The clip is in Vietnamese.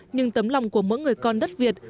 nhưng tấm lòng của mỗi người con đất việt